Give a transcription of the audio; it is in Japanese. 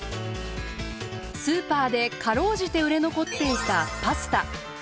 スーパーで辛うじて売れ残っていたパスタ。